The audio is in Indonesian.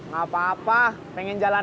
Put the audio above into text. gak apa apa pengen jalan